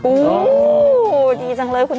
อู้วดีจังเลยคุณย่า